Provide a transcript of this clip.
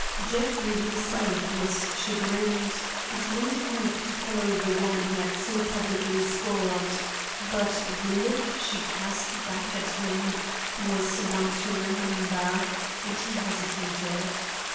Jeffrey himself was chagrined, and made a move to follow the woman he had so publicly scorned, but the look she cast back at him was one to remember, and he hesitated.